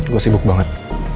gue sibuk banget